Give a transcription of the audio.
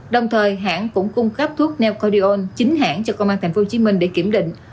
đồng thời hãng cũng cung cấp thuốc neodion chính hãng cho công an tp hcm để kiểm định